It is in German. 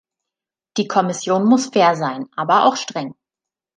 Die Kommission muss fair sein, aber auch streng.